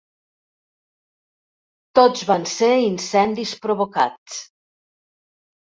Tots van ser incendis provocats.